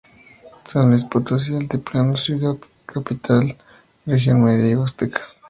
San Luis Potosí Altiplano, Ciudad Capital, Región Media y Huasteca.